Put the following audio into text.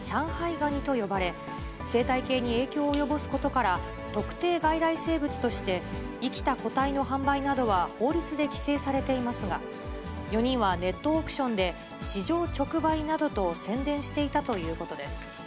ガニと呼ばれ、生態系に影響を及ぼすことから、特定外来生物として、生きた個体の販売などは法律で規制されていますが、４人はネットオークションで、市場直売などと宣伝していたということです。